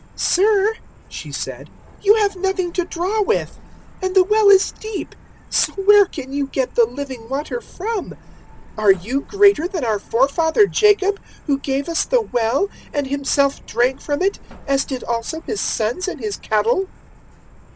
004:011 "Sir," she said, "you have nothing to draw with, and the well is deep; so where can you get the living water from? 004:012 Are you greater than our forefather Jacob, who gave us the well, and himself drank from it, as did also his sons and his cattle?"